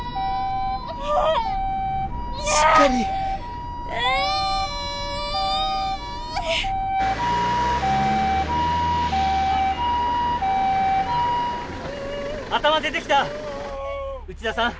しっかりうっ頭出てきた内田さん